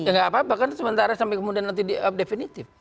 ya nggak apa apa kan sementara sampai kemudian nanti definitif